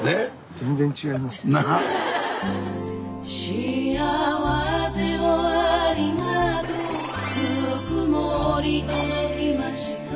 「幸せをありがとうぬくもり届きました」